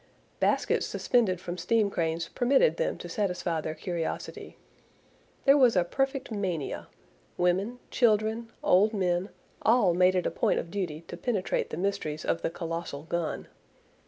Baskets suspended from steam cranes permitted them to satisfy their curiosity. There was a perfect mania. Women, children, old men, all made it a point of duty to penetrate the mysteries of the colossal gun.